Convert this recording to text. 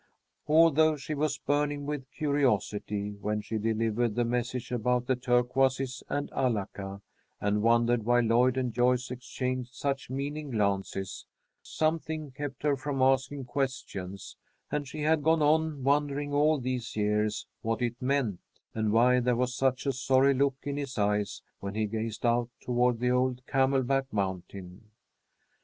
Although she was burning with curiosity when she delivered the message about the turquoises and Alaka, and wondered why Lloyd and Joyce exchanged such meaning glances, something kept her from asking questions, and she had gone on wondering all these years what it meant, and why there was such a sorry look in his eyes when he gazed out toward the old Camelback Mountain.